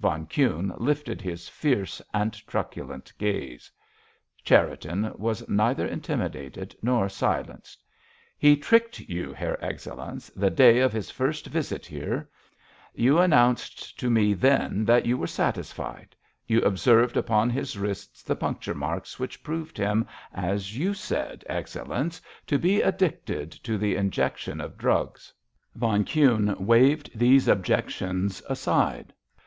Von Kuhne lifted his fierce and truculent gaze. Cherriton was neither intimidated nor silenced. "He tricked you, Herr Excellenz, the day of his first visit here. You announced to me then that you were satisfied. You observed upon his wrists the punctured marks which proved him, as you said, Excellenz, to be addicted to the injection of drugs." Von Kuhne waved these objections aside.